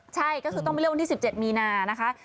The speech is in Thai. ใช่ก็คือต้องไปเลือกวันที่๑๗มีนานะคะ